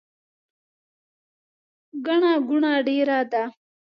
ګڼه ګوڼه ډیره ده